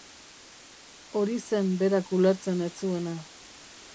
Hori zen berak ulertzen ez zuena.